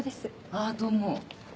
あどうも。